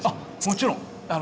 もちろん。